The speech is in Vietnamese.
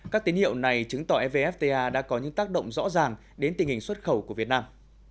các tín hiệu này chứng tỏ evfta đã có những tác động rõ ràng đến tình hình xuất khẩu của việt nam